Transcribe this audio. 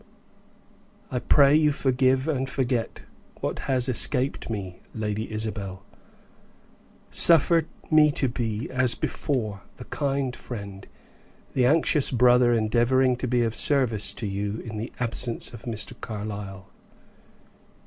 "I pray you forgive and forget what has escaped me, Lady Isabel. Suffer me to be, as before, the kind friend, the anxious brother endeavoring to be of service to you in the absence of Mr. Carlyle."